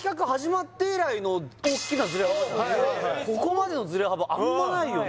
多分ここまでのズレ幅あんまないよね